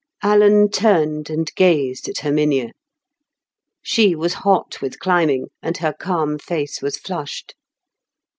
Alan turned and gazed at Herminia; she was hot with climbing, and her calm face was flushed.